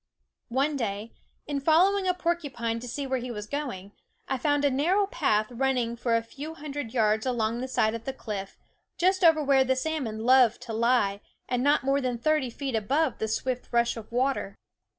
One day, in following a porcupine to see where he was going, I found a narrow path running for a few hundred yards along the side of the cliff, just over where the salmon loved to lie, and not more THE WOODS * than thirty feet above the swift rush of water.